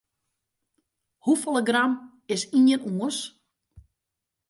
Hoefolle gram is ien ûns?